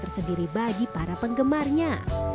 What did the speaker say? tersendiri bagi para penggemarnya